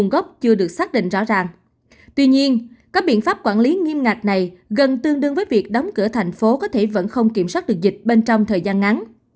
quy định rõ ràng tuy nhiên các biện pháp quản lý nghiêm ngạch này gần tương đương với việc đóng cửa thành phố có thể vẫn không kiểm soát được dịch bên trong thời gian ngắn